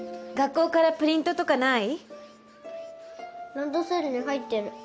ランドセルに入ってる。